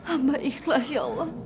amba ikhlas ya allah